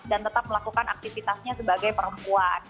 dan tetap melakukan aktivitasnya sebagai perempuan